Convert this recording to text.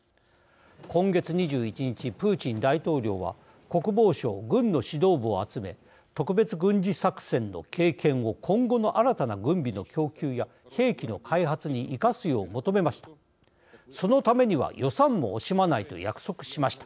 今月２１日、プーチン大統領は国防省、軍の指導部を集め特別軍事作戦の経験を今後の新たな軍備の供給や兵器の開発に生かすよう求めました。